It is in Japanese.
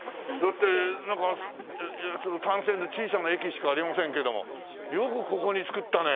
だってなんか単線で小さな駅しかありませんけどもよくここに作ったね！